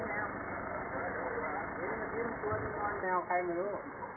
เห็นละดีหรือหัวอย่างน้อยแนวไขมันดู